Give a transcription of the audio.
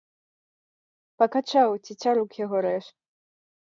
Пакачаў, цецярук яго рэж.